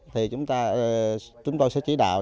thì chúng ta sẽ chỉ đạo